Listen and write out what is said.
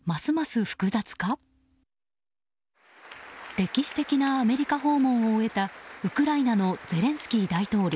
歴史的なアメリカ訪問を終えたウクライナのゼレンスキー大統領。